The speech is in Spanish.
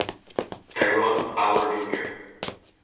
Tyrone Power, Jr.